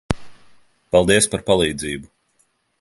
Paldies par palīdzību.